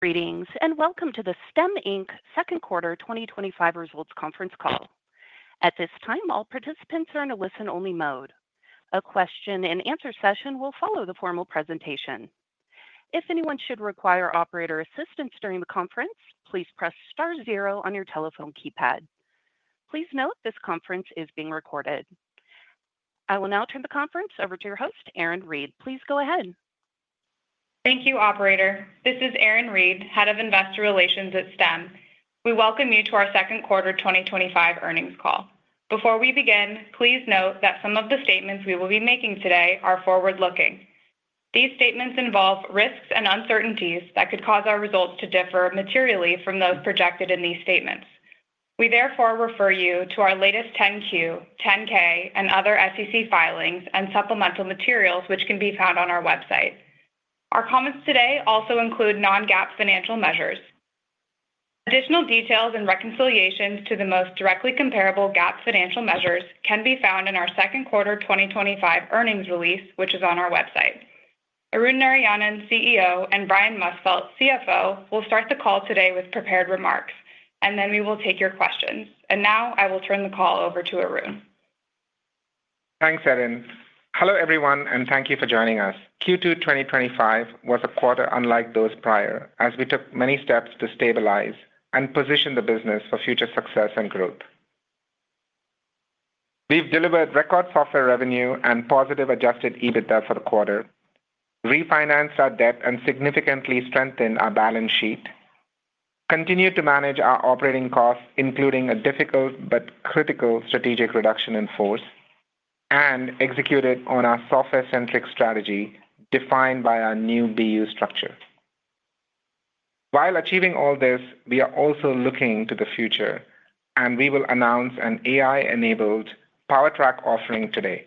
Greetings and welcome to the Stem, Inc. Second Quarter 2025 Results Conference Call. At this time, all participants are in a listen-only mode. A question and answer session will follow the formal presentation. If anyone should require operator assistance during the conference, please press star zero on your telephone keypad. Please note this conference is being recorded. I will now turn the conference over to your host, Erin Reed. Please go ahead. Thank you, Operator. This is Erin Reed, Head of Investor Relations at Stem. We welcome you to our Second Quarter 2025 Earnings Call. Before we begin, please note that some of the statements we will be making today are forward-looking. These statements involve risks and uncertainties that could cause our results to differ materially from those projected in these statements. We therefore refer you to our latest 10-Q, 10-K, and other SEC filings and supplemental materials, which can be found on our website. Our comments today also include non-GAAP financial measures. Additional details and reconciliations to the most directly comparable GAAP financial measures can be found in our second quarter 2025 earnings release, which is on our website. Arun Narayanan, CEO, and Brian Musfeldt, CFO, will start the call today with prepared remarks, then we will take your questions. I will now turn the call over to Arun. Thanks, Erin. Hello everyone, and thank you for joining us. Q2 2025 was a quarter unlike those prior, as we took many steps to stabilize and position the business for future success and growth. We've delivered record software revenue and positive adjusted EBITDA for the quarter, refinanced our debt and significantly strengthened our balance sheet, continued to manage our operating costs, including a difficult but critical strategic reduction in force, and executed on our software-centric strategy defined by our new BU structure. While achieving all this, we are also looking to the future, and we will announce an AI-enabled PowerTrack offering today.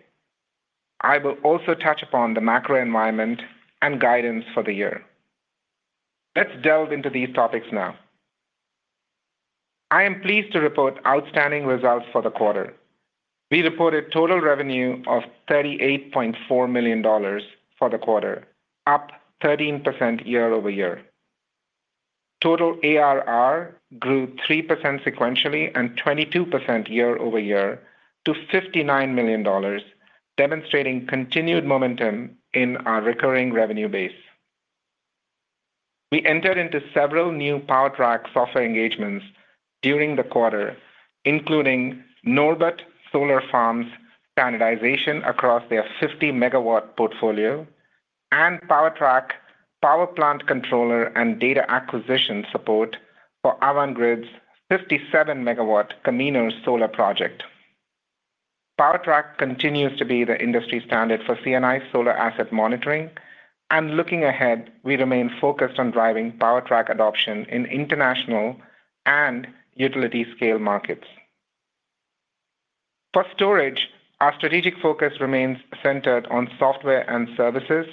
I will also touch upon the macro environment and guidance for the year. Let's delve into these topics now. I am pleased to report outstanding results for the quarter. We reported total revenue of $38.4 million for the quarter, up 13% year-over-year. Total ARR grew 3% sequentially and 22% year-over-year to $59 million, demonstrating continued momentum in our recurring revenue base. We entered into several new PowerTrack software engagements during the quarter, including Norbut Solar Farms' standardization across their 50-MW portfolio and PowerTrack power plant controller and data acquisition support for Avant Grid's 57-MW Caminos solar project. PowerTrack continues to be the industry standard for C&I solar asset monitoring, and looking ahead, we remain focused on driving PowerTrack adoption in international and utility-scale markets. For storage, our strategic focus remains centered on software and services,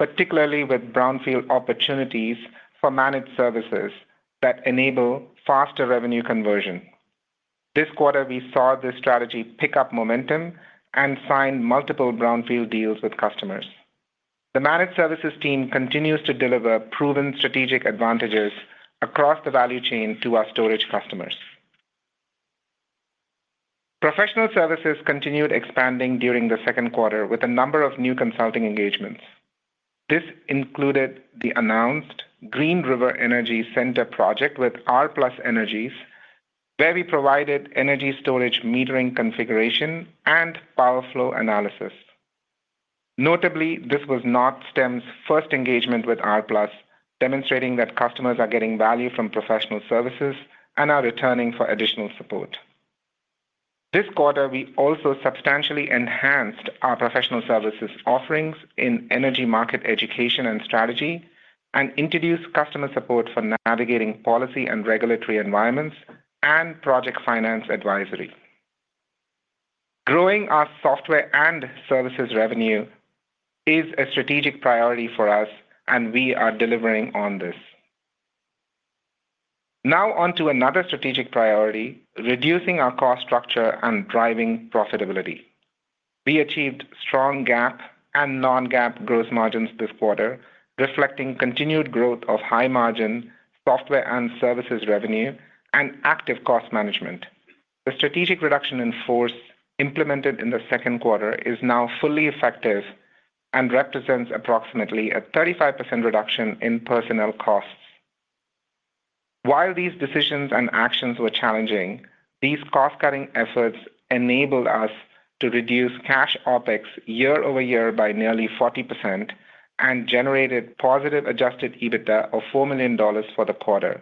particularly with brownfield opportunities for managed services that enable faster revenue conversion. This quarter, we saw this strategy pick up momentum and sign multiple brownfield deals with customers. The managed services team continues to deliver proven strategic advantages across the value chain to our storage customers. Professional services continued expanding during the second quarter with a number of new consulting engagements. This included the announced Green River Energy Center project with R+ Energies, where we provided energy storage metering configuration and power flow analysis. Notably, this was not Stem's first engagement with R+, demonstrating that customers are getting value from professional services and are returning for additional support. This quarter, we also substantially enhanced our professional services offerings in energy market education and strategy, and introduced customer support for navigating policy and regulatory environments and project finance advisory. Growing our software and services revenue is a strategic priority for us, and we are delivering on this. Now on to another strategic priority, reducing our cost structure and driving profitability. We achieved strong GAAP and non-GAAP gross margins this quarter, reflecting continued growth of high margin software and services revenue and active cost management. The strategic reduction in force implemented in the second quarter is now fully effective and represents approximately a 35% reduction in personnel costs. While these decisions and actions were challenging, these cost-cutting efforts enabled us to reduce cash OpEx year-over-year by nearly 40% and generated positive adjusted EBITDA of $4 million for the quarter,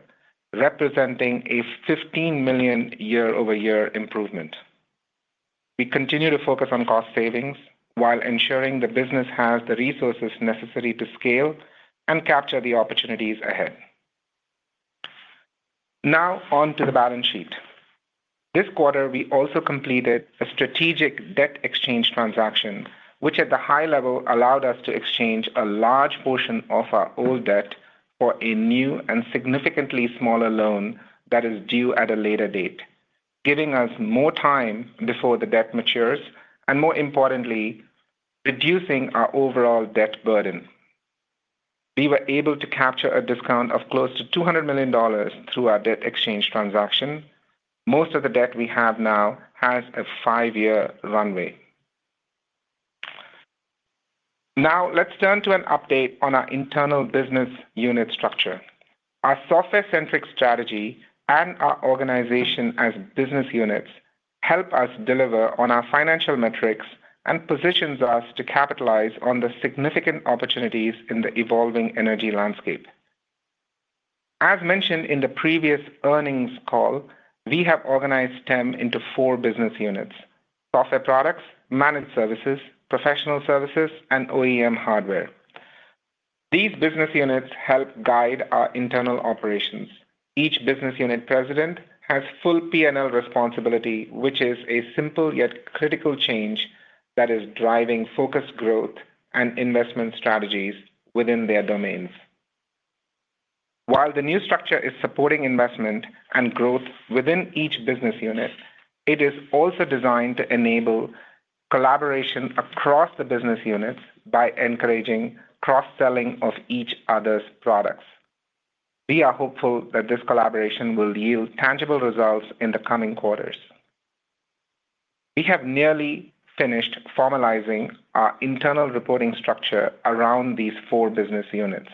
representing a $15 million year-over-year improvement. We continue to focus on cost savings while ensuring the business has the resources necessary to scale and capture the opportunities ahead. Now on to the balance sheet. This quarter, we also completed a strategic debt exchange transaction, which at the high level allowed us to exchange a large portion of our old debt for a new and significantly smaller loan that is due at a later date, giving us more time before the debt matures and, more importantly, reducing our overall debt burden. We were able to capture a discount of close to $200 million through our debt exchange transaction. Most of the debt we have now has a five-year runway. Now let's turn to an update on our internal business unit structure. Our software-centric strategy and our organization as business units help us deliver on our financial metrics and position us to capitalize on the significant opportunities in the evolving energy landscape. As mentioned in the previous earnings call, we have organized Stem into four business units: software products, managed services, professional services, and OEM hardware. These business units help guide our internal operations. Each business unit president has full P&L responsibility, which is a simple yet critical change that is driving focused growth and investment strategies within their domains. While the new structure is supporting investment and growth within each business unit, it is also designed to enable collaboration across the business units by encouraging cross-selling of each other's products. We are hopeful that this collaboration will yield tangible results in the coming quarters. We have nearly finished formalizing our internal reporting structure around these four business units.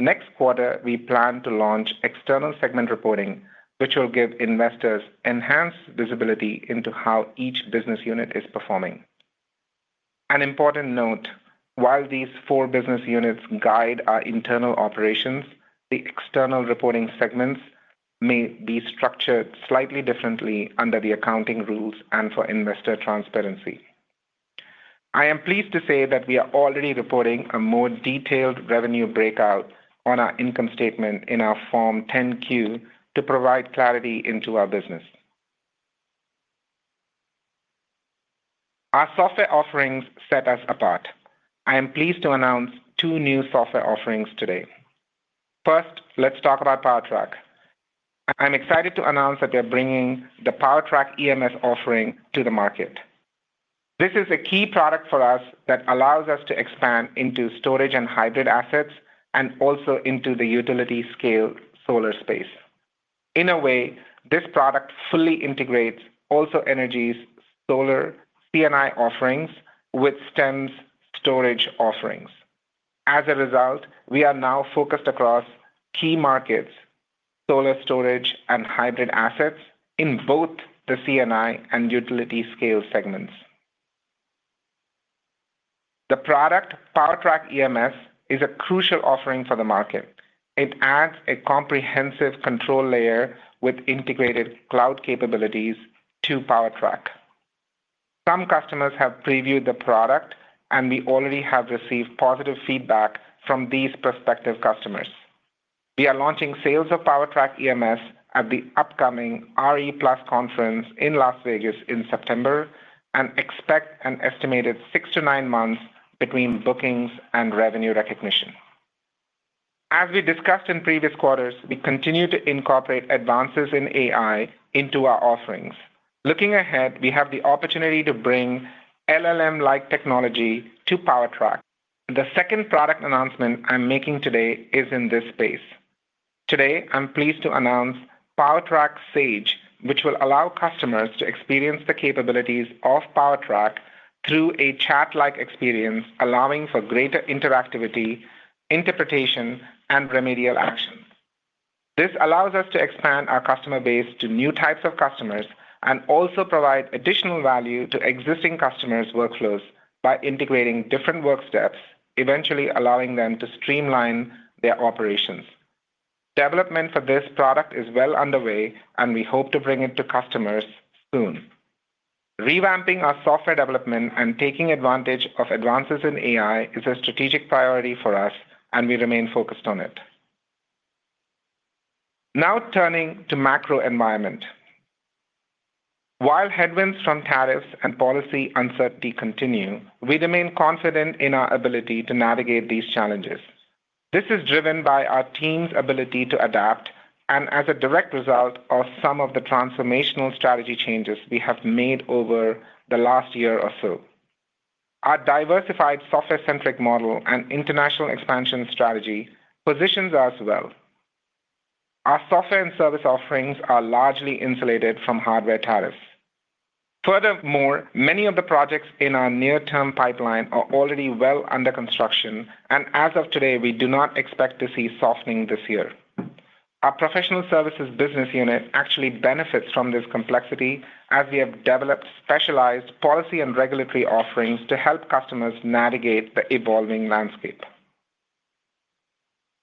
Next quarter, we plan to launch external segment reporting, which will give investors enhanced visibility into how each business unit is performing. An important note: while these four business units guide our internal operations, the external reporting segments may be structured slightly differently under the accounting rules and for investor transparency. I am pleased to say that we are already reporting a more detailed revenue breakout on our income statement in our Form 10-Q to provide clarity into our business. Our software offerings set us apart. I am pleased to announce two new software offerings today. First, let's talk about PowerTrack. I'm excited to announce that we are bringing the PowerTrack EMS offering to the market. This is a key product for us that allows us to expand into storage and hybrid assets, and also into the utility-scale solar space. In a way, this product fully integrates also Energy's solar C&I offerings with Stem's storage offerings. As a result, we are now focused across key markets: solar, storage, and hybrid assets in both the C&I and utility-scale segments. The product PowerTrack EMS is a crucial offering for the market. It adds a comprehensive control layer with integrated cloud capabilities to PowerTrack. Some customers have previewed the product, and we already have received positive feedback from these prospective customers. We are launching sales of PowerTrack EMS at the upcoming RE+ Conference in Las Vegas in September and expect an estimated six to nine months between bookings and revenue recognition. As we discussed in previous quarters, we continue to incorporate advances in AI into our offerings. Looking ahead, we have the opportunity to bring LLM-like technology to PowerTrack. The second product announcement I'm making today is in this space. Today, I'm pleased to announce PowerTrack Sage, which will allow customers to experience the capabilities of PowerTrack through a chat-like experience, allowing for greater interactivity, interpretation, and remedial action. This allows us to expand our customer base to new types of customers and also provide additional value to existing customers' workflows by integrating different work steps, eventually allowing them to streamline their operations. Development for this product is well underway, and we hope to bring it to customers soon. Revamping our software development and taking advantage of advances in AI is a strategic priority for us, and we remain focused on it. Now turning to the macro environment. While headwinds from tariffs and policy uncertainty continue, we remain confident in our ability to navigate these challenges. This is driven by our team's ability to adapt, and as a direct result of some of the transformational strategy changes we have made over the last year or so. Our diversified software-centric model and international expansion strategy positions us well. Our software and service offerings are largely insulated from hardware tariffs. Furthermore, many of the projects in our near-term pipeline are already well under construction, and as of today, we do not expect to see softening this year. Our professional services business unit actually benefits from this complexity, as we have developed specialized policy and regulatory offerings to help customers navigate the evolving landscape.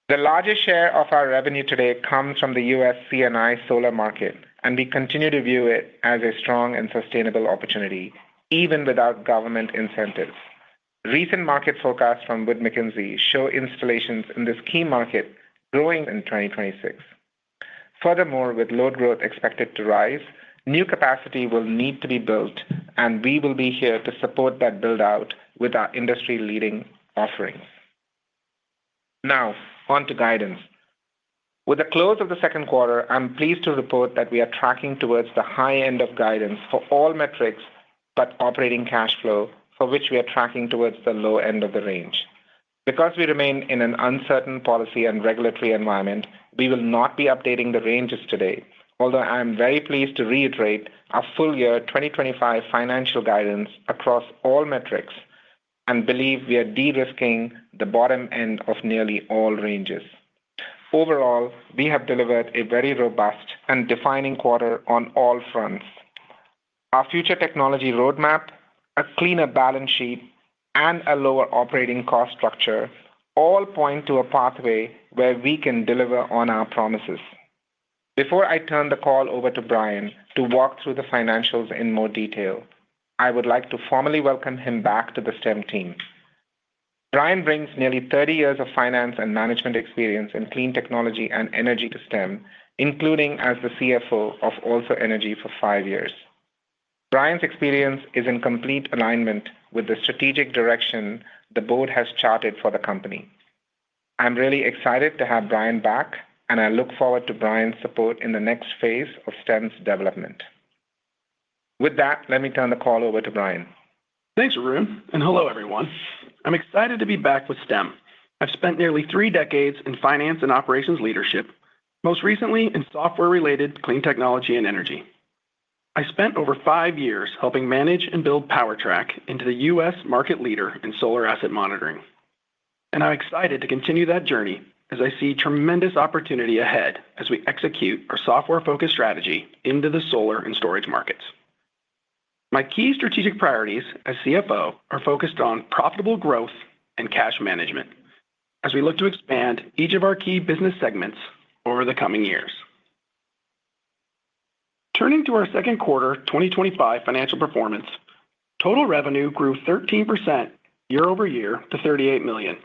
The largest share of our revenue today comes from the U.S. C&I solar market, and we continue to view it as a strong and sustainable opportunity, even without government incentives. Recent market forecasts from Wood Mackenzie show installations in this key market growing in 2026. Furthermore, with load growth expected to rise, new capacity will need to be built, and we will be here to support that build-out with our industry-leading offerings. Now on to guidance. With the close of the second quarter, I'm pleased to report that we are tracking towards the high end of guidance for all metrics, but operating cash flow, for which we are tracking towards the low end of the range. Because we remain in an uncertain policy and regulatory environment, we will not be updating the ranges today, although I am very pleased to reiterate our full-year 2025 financial guidance across all metrics and believe we are de-risking the bottom end of nearly all ranges. Overall, we have delivered a very robust and defining quarter on all fronts. Our future technology roadmap, a cleaner balance sheet, and a lower operating cost structure all point to a pathway where we can deliver on our promises. Before I turn the call over to Brian to walk through the financials in more detail, I would like to formally welcome him back to the Stem team. Brian brings nearly 30 years of finance and management experience in clean technology and energy to Stem, including as the CFO of Oslo Energy for five years. Brian's experience is in complete alignment with the strategic direction the board has charted for the company. I'm really excited to have Brian back, and I look forward to Brian's support in the next phase of Stem's development. With that, let me turn the call over to Brian. Thanks, Arun, and hello everyone. I'm excited to be back with Stem i've spent nearly three decades in finance and operations leadership, most recently in software-related clean technology and energy. I spent over five years helping manage and build PowerTrack into the U.S. market leader in solar asset monitoring, and I'm excited to continue that journey as I see tremendous opportunity ahead as we execute our software-focused strategy into the solar and storage markets. My key strategic priorities as CFO are focused on profitable growth and cash management as we look to expand each of our key business segments over the coming years. Turning to our second quarter 2025 financial performance, total revenue grew 13% year-over-year to $38 million.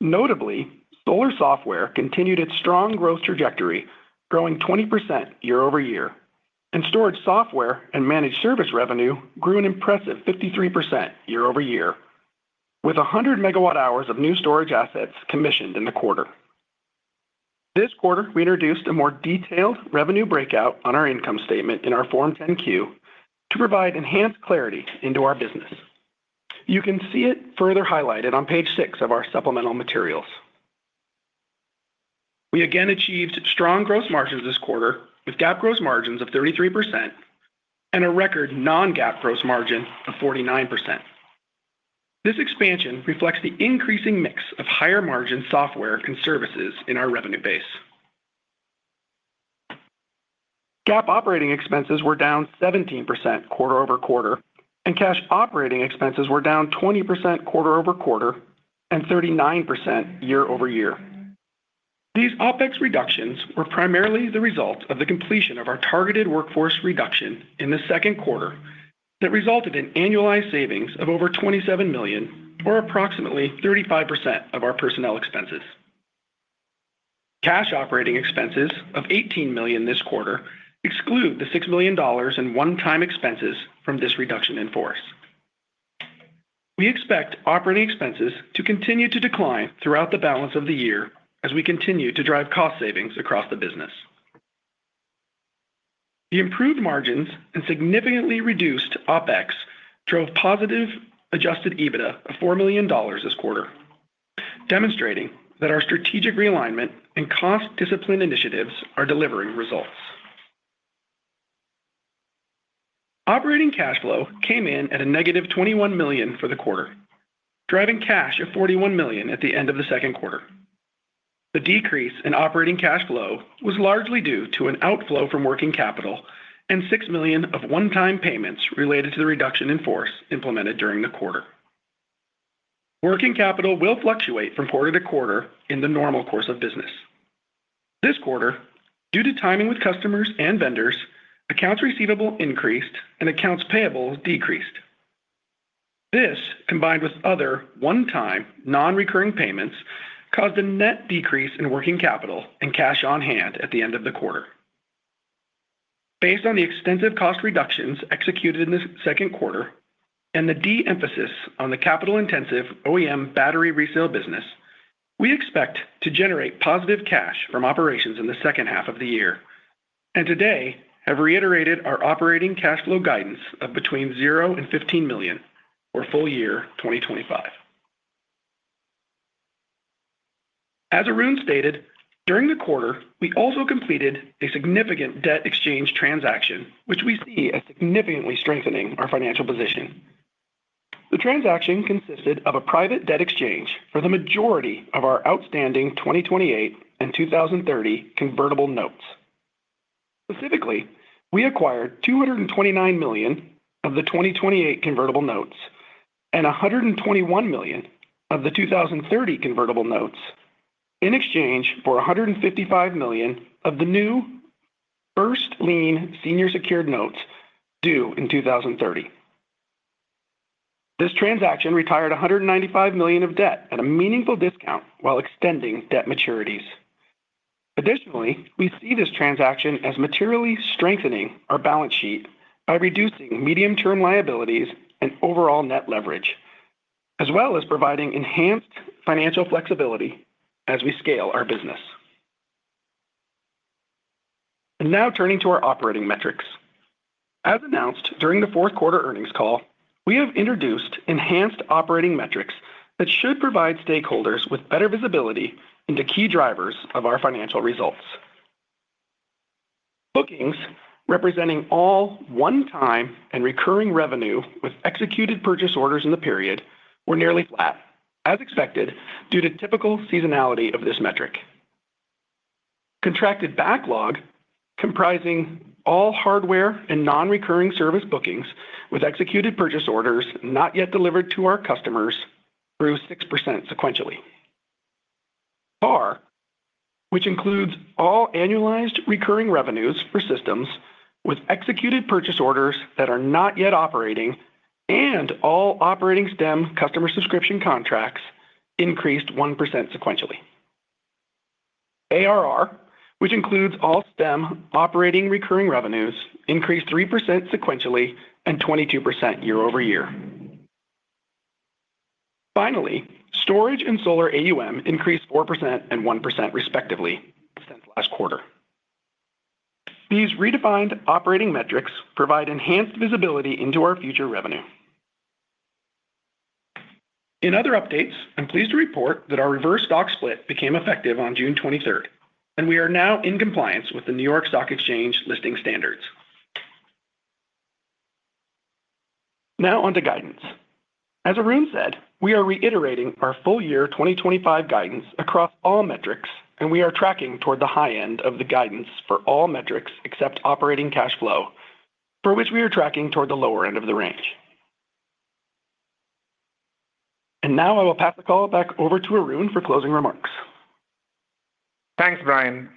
Notably, solar software continued its strong growth trajectory, growing 20% year-over-year, and storage software and managed service revenue grew an impressive 53% year-over-year, with 100 MWh of new storage assets commissioned in the quarter. This quarter, we introduced a more detailed revenue breakout on our income statement in our Form 10-Q to provide enhanced clarity into our business. You can see it further highlighted on page six of our supplemental materials. We again achieved strong gross margins this quarter, with GAAP gross margins of 33% and a record non-GAAP gross margin of 49%. This expansion reflects the increasing mix of higher margin software and services in our revenue base. GAAP operating expenses were down 17% quarter-over-quarter, and cash operating expenses were down 20% quarter-over-quarter and 39% year-over-year. These OpEx reductions were primarily the result of the completion of our targeted workforce reduction in the second quarter that resulted in annualized savings of over $27 million, or approximately 35% of our personnel expenses. Cash operating expenses of $18 million this quarter exclude the $6 million in one-time expenses from this reduction in force. We expect operating expenses to continue to decline throughout the balance of the year as we continue to drive cost savings across the business. The improved margins and significantly reduced OpEx drove positive adjusted EBITDA of $4 million this quarter, demonstrating that our strategic realignment and cost discipline initiatives are delivering results. Operating cash flow came in at a negative $21 million for the quarter, driving cash at $41 million at the end of the second quarter. The decrease in operating cash flow was largely due to an outflow from working capital and $6 million of one-time payments related to the reduction in force implemented during the quarter. Working capital will fluctuate from quarter to quarter in the normal course of business. This quarter, due to timing with customers and vendors, accounts receivable increased and accounts payable decreased. This, combined with other one-time non-recurring payments, caused a net decrease in working capital and cash on hand at the end of the quarter. Based on the extensive cost reductions executed in this second quarter and the de-emphasis on the capital-intensive OEM hardware resale business, we expect to generate positive cash from operations in the second half of the year and today have reiterated our operating cash flow guidance of between $0 and $15 million for full year 2025. As Arun stated, during the quarter, we also completed a significant debt exchange transaction, which we see as significantly strengthening our financial position. The transaction consisted of a private debt exchange for the majority of our outstanding 2028 and 2030 convertible notes. Specifically, we acquired $229 million of the 2028 convertible notes and $121 million of the 2030 convertible notes in exchange for $155 million of the new first lien senior secured notes due in 2030. This transaction retired $195 million of debt at a meaningful discount while extending debt maturities. Additionally, we see this transaction as materially strengthening our balance sheet by reducing medium-term liabilities and overall net leverage, as well as providing enhanced financial flexibility as we scale our business. Now turning to our operating metrics. As announced during the fourth quarter earnings call, we have introduced enhanced operating metrics that should provide stakeholders with better visibility into key drivers of our financial results. Bookings, representing all one-time and recurring revenue with executed purchase orders in the period, were nearly flat, as expected due to typical seasonality of this metric. Contracted backlog, comprising all hardware and non-recurring service bookings with executed purchase orders not yet delivered to our customers, grew 6% sequentially. ARR, which includes all annualized recurring revenues for systems with executed purchase orders that are not yet operating and all operating Stem customer subscription contracts, increased 1% sequentially. ARR, which includes all Stem operating recurring revenues, increased 3% sequentially and 22% year-over-year. Finally, storage and solar AUM increased 4% and 1% respectively since last quarter. These redefined operating metrics provide enhanced visibility into our future revenue. In other updates, I'm pleased to report that our reverse stock split became effective on June 23, and we are now in compliance with the New York Stock Exchange listing standards. Now on to guidance. As Arun said, we are reiterating our full year 2025 guidance across all metrics, and we are tracking toward the high end of the guidance for all metrics except operating cash flow, for which we are tracking toward the lower end of the range. I will pass the call back over to Arun for closing remarks. Thanks, Brian.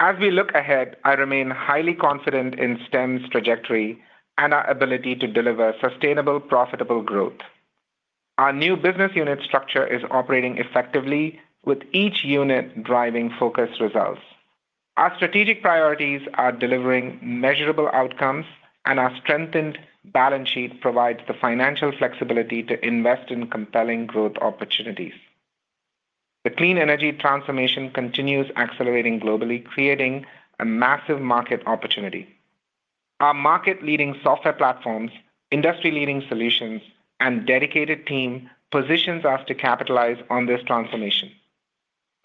As we look ahead, I remain highly confident in Stem's trajectory and our ability to deliver sustainable, profitable growth. Our new business unit structure is operating effectively, with each unit driving focused results. Our strategic priorities are delivering measurable outcomes, and our strengthened balance sheet provides the financial flexibility to invest in compelling growth opportunities. The clean energy transformation continues accelerating globally, creating a massive market opportunity. Our market-leading software platforms, industry-leading solutions, and dedicated team position us to capitalize on this transformation.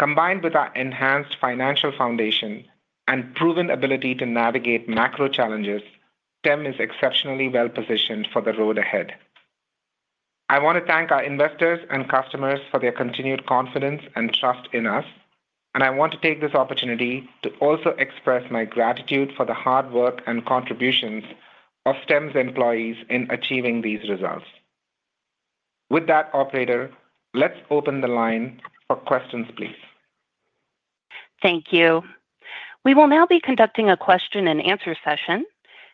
Combined with our enhanced financial foundation and proven ability to navigate macro challenges, Stem is exceptionally well positioned for the road ahead. I want to thank our investors and customers for their continued confidence and trust in us, and I want to take this opportunity to also express my gratitude for the hard work and contributions of Stem's employees in achieving these results. With that, Operator, let's open the line for questions, please. Thank you. We will now be conducting a question and answer session.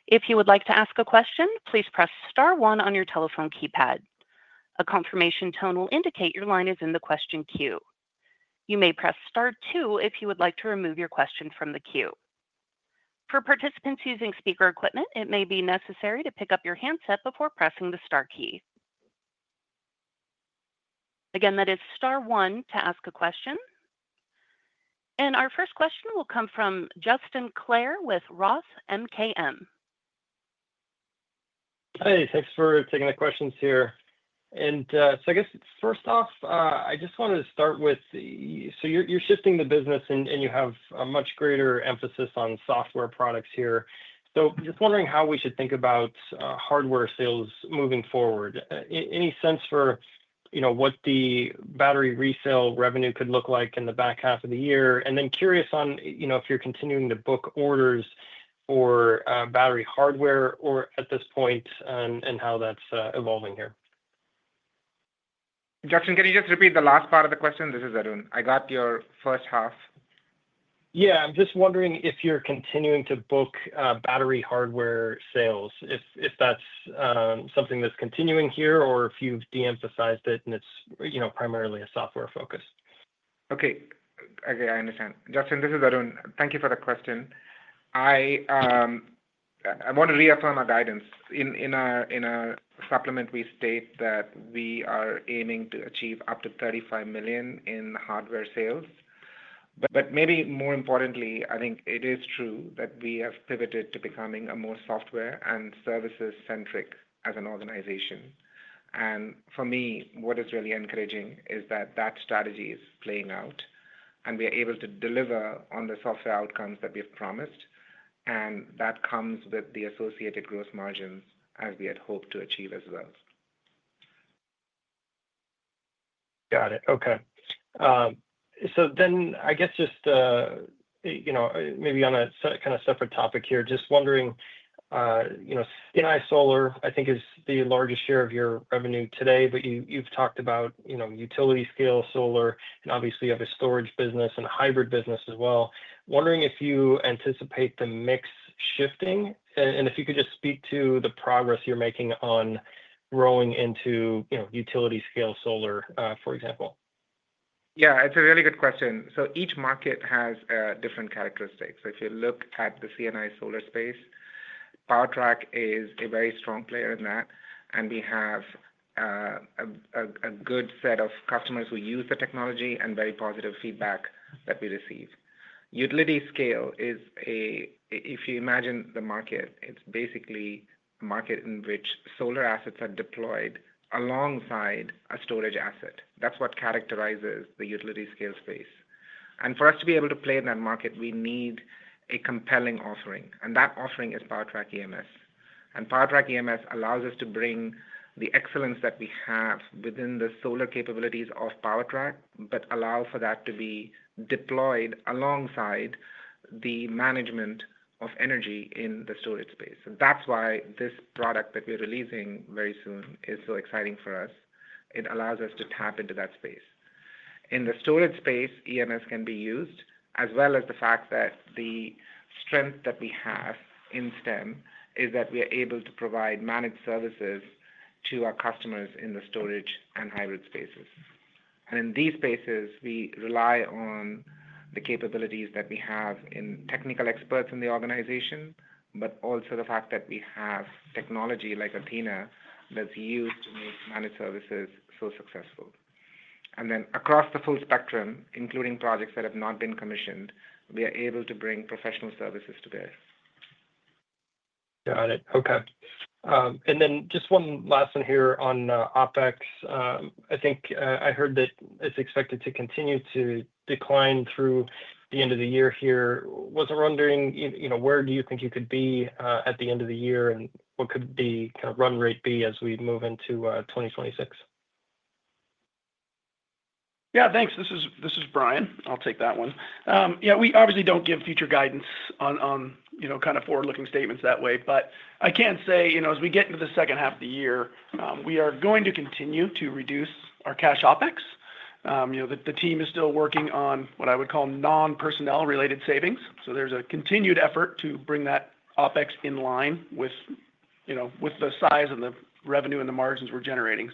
If you would like to ask a question, please press star one on your telephone keypad. A confirmation tone will indicate your line is in the question queue. You may press star two if you would like to remove your question from the queue. For participants using speaker equipment, it may be necessary to pick up your handset before pressing the star key. Again, that is star one to ask a question. Our first question will come from Justin Clare with ROTH MKM. Hey, thanks for taking the questions here. I just wanted to start with, you're shifting the business and you have a much greater emphasis on software products here. I'm just wondering how we should think about hardware sales moving forward. Any sense for what the battery resale revenue could look like in the back half of the year? I'm curious if you're continuing to book orders for battery hardware at this point and how that's evolving here. Justin, can you just repeat the last part of the question? This is Arun. I got your first half. I'm just wondering if you're continuing to book battery hardware sales, if that's something that's continuing here or if you've de-emphasized it and it's, you know, primarily a software focus. Okay, I understand. Justin, this is Arun. Thank you for the question. I want to reaffirm our guidance. In our supplement, we state that we are aiming to achieve up to $35 million in hardware sales. More importantly, I think it is true that we have pivoted to becoming a more software and services-centric as an organization. For me, what is really encouraging is that that strategy is playing out and we are able to deliver on the software outcomes that we have promised. That comes with the associated gross margins as we had hoped to achieve as well. Got it. Okay. I guess just, you know, maybe on a kind of separate topic here, just wondering, you know, C&I solar, I think is the largest share of your revenue today, but you've talked about, you know, utility-scale solar and obviously you have a storage business and a hybrid business as well. Wondering if you anticipate the mix shifting and if you could just speak to the progress you're making on growing into, you know, utility-scale solar, for example. Yeah, it's a really good question. Each market has different characteristics. If you look at the C&I solar space, PowerTrack is a very strong player in that. We have a good set of customers who use the technology and very positive feedback that we receive. Utility scale is, if you imagine the market, it's basically a market in which solar assets are deployed alongside a storage asset. That's what characterizes the utility-scale space. For us to be able to play in that market, we need a compelling offering. That offering is PowerTrack EMS. PowerTrack EMS allows us to bring the excellence that we have within the solar capabilities of PowerTrack, but allow for that to be deployed alongside the management of energy in the storage space. That's why this product that we're releasing very soon is so exciting for us. It allows us to tap into that space. In the storage space, EMS can be used as well as the fact that the strength that we have in Stem is that we are able to provide managed services to our customers in the storage and hybrid spaces. In these spaces, we rely on the capabilities that we have in technical experts in the organization, but also the fact that we have technology like Athena that's used to make managed services so successful. Across the full spectrum, including projects that have not been commissioned, we are able to bring professional services to bear. Got it. And then just one last one here on OpEx. I think I heard that it's expected to continue to decline through the end of the year. I was wondering, you know, where do you think you could be at the end of the year and what could the kind of run rate be as we move into 2026? Yeah, thanks. This is Brian. I'll take that one. We obviously don't give future guidance on, you know, kind of forward-looking statements that way, but I can say, you know, as we get into the second half of the year, we are going to continue to reduce our cash OpEx. The team is still working on what I would call non-personnel related savings. There's a continued effort to bring that OpEx in line with the size of the revenue and the margins we're generating.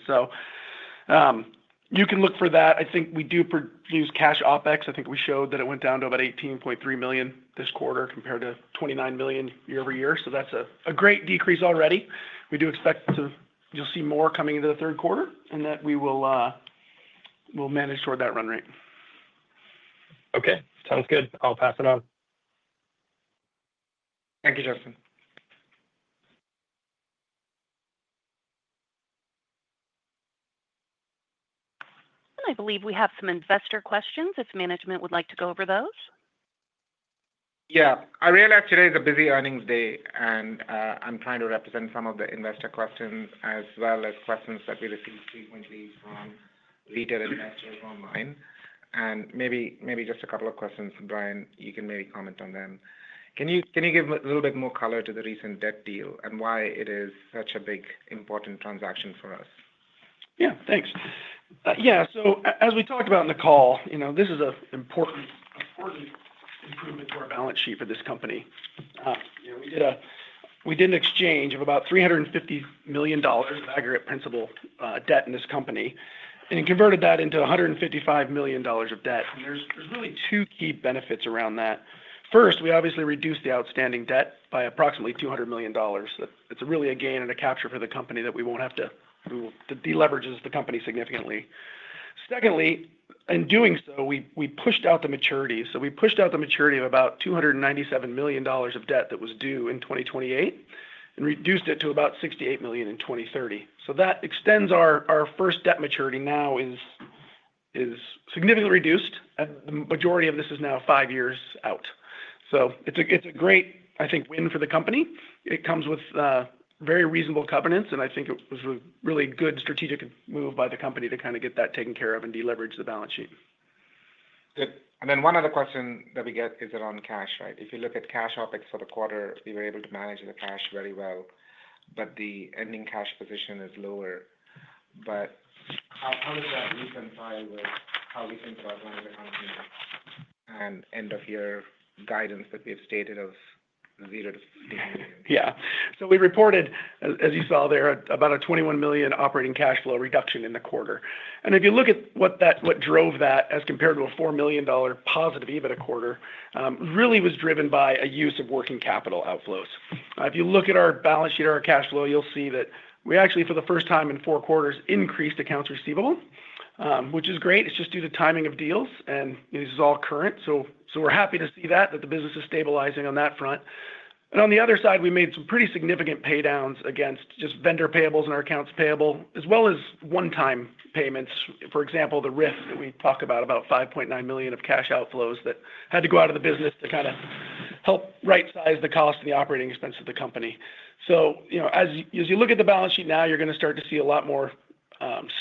You can look for that. I think we do reduce cash OpEx. I think we showed that it went down to about $18.3 million this quarter compared to $29 million year-over-year. That's a great decrease already. We do expect to, you'll see more coming into the third quarter and that we will manage toward that run rate. Okay, sounds good. I'll pass it on. Thank you, Justin. I believe we have some investor questions, if management would like to go over those. I realize today is a busy earnings day, and I'm trying to represent some of the investor questions as well as questions that we received when we found leaders and investors online. Maybe just a couple of questions, Brian, you can maybe comment on them. Can you give a little bit more color to the recent debt deal and why it is such a big, important transaction for us? Yeah, thanks. As we talked about in the call, this is an important improvement to our balance sheet for this company. We did an exchange of about $350 million of aggregate principal debt in this company and converted that into $155 million of debt. There are really two key benefits around that. First, we obviously reduced the outstanding debt by approximately $200 million. It's really a gain and a capture for the company that we won't have to, it deleverages the company significantly. Secondly, in doing so, we pushed out the maturity. We pushed out the maturity of about $297 million of debt that was due in 2028 and reduced it to about $68 million in 2030. That extends our first debt maturity, now is significantly reduced, and the majority of this is now five years out. It's a great, I think, win for the company. It comes with very reasonable covenants, and I think it was a really good strategic move by the company to kind of get that taken care of and deleverage the balance sheet. One other question that we get is around cash, right? If you look at cash OpEx for the quarter, we were able to manage the cash very well, but the ending cash position is lower. How does that reconcile with how we think about buying the company and end-of-year guidance that we've stated of $0 to $50 million? Yeah, so we reported, as you saw there, about a $21 million operating cash flow reduction in the quarter. If you look at what drove that as compared to a $4 million positive EBITDA quarter, it really was driven by a use of working capital outflows. If you look at our balance sheet or our cash flow, you'll see that we actually, for the first time in four quarters, increased accounts receivable, which is great. It's just due to timing of deals, and this is all current. We're happy to see that, that the business is stabilizing on that front. On the other side, we made some pretty significant paydowns against just vendor payables and our accounts payable, as well as one-time payments. For example, the reduction in force that we talked about, about $5.9 million of cash outflows that had to go out of the business to kind of help right-size the cost and the operating expense of the company. As you look at the balance sheet now, you're going to start to see a lot more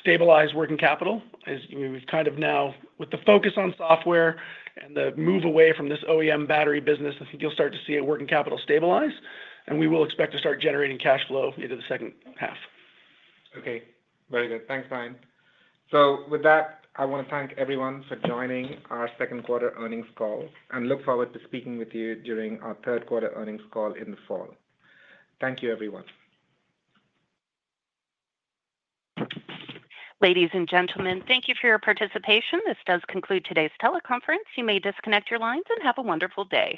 stabilized working capital. We've kind of now, with the focus on software and the move away from this OEM hardware battery business, I think you'll start to see working capital stabilize, and we will expect to start generating cash flow into the second half. Okay, very good. Thanks, Brian. With that, I want to thank everyone for joining our second quarter earnings call and look forward to speaking with you during our third quarter earnings call in the fall. Thank you, everyone. Ladies and gentlemen, thank you for your participation. This does conclude today's teleconference. You may disconnect your lines and have a wonderful day.